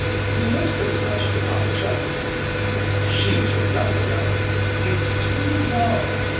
He whispered as much to Polly Chuck. She turned up her nose. "It's too low!"